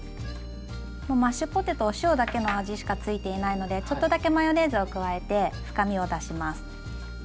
マッシュポテトお塩だけの味しかついていないのでちょっとだけマヨネーズを加えて深みを出します。